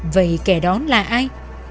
vậy kẻ đó là ai